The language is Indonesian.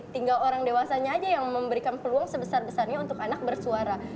tinggal orang dewasanya aja yang memberikan peluang sebesar besarnya untuk anak bersuara